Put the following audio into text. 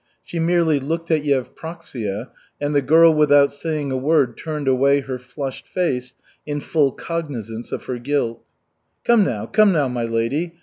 She merely looked at Yevpraksia, and the girl, without saying a word, turned away her flushed face in full cognizance of her guilt. "Come now, come now, my lady.